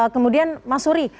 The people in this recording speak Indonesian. kemudian mas uri